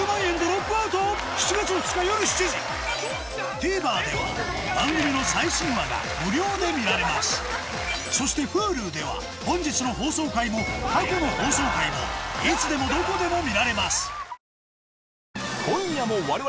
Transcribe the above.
ＴＶｅｒでは番組の最新話が無料で見られますそしてＨｕｌｕでは本日の放送回も過去の放送回もいつでもどこでも見られます